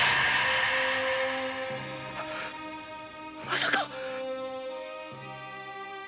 まさか！？